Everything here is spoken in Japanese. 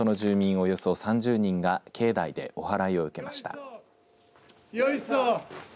およそ３０人が境内で、おはらいを受けました。